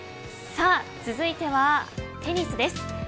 続いてはテニスです。